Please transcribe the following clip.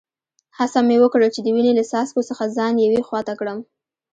هڅه مې وکړل چي د وینې له څاڅکو څخه ځان یوې خوا ته کړم.